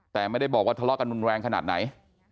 แต่ไม่ได้บอกว่าทะเลาะกันรุนแรงขนาดไหน